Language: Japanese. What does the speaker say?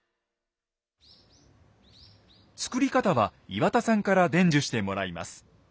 作り方は岩田さんから伝授してもらいます。